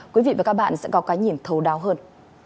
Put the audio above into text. quý vị và các bạn sẽ có cái nhìn thấu đáo hơn